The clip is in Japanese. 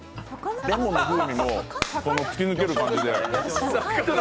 レモンの風味も突き抜ける感じで。